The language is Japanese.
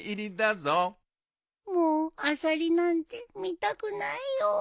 もうアサリなんて見たくないよ。